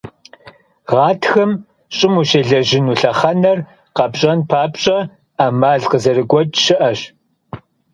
Гъатхэм щӀым ущелэжьыну лъэхъэнэр къэпщӀэн папщӀэ, Ӏэмал къызэрыгуэкӀ щыӀэщ.